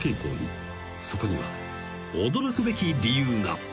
［そこには驚くべき理由が］